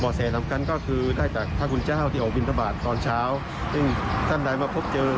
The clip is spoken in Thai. แสสำคัญก็คือได้จากพระคุณเจ้าที่ออกบินทบาทตอนเช้าซึ่งท่านใดมาพบเจอ